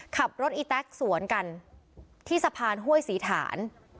ขับรถอีแต๊กสวนกันที่สะพานห้วยศรีฐาน